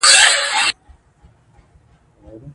افغانستان د د کلیزو منظره په برخه کې نړیوال شهرت لري.